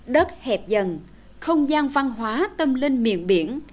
đất hẹp dần không gian văn hóa tâm linh miền biển